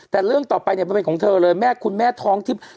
แต่เรื่องต่อไปเนี่ยมันเป็นของเธอเลยแม่คุณแม่ท้องทิพย์